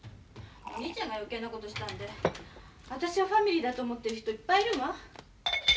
お兄ちゃんが余計なことしたんで私をファミリーだと思ってる人いっぱいいるわ。